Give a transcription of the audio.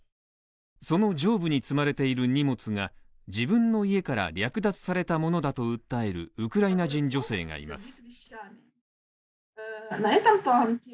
その上部に積まれている荷物が自分の家から略奪されたものだと訴えるウクライナ人女性がいます。